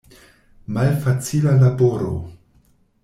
Malfacila laboro!